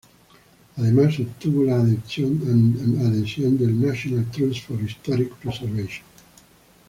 Además obtuvo la adhesión del "National Trust for Historic Preservation".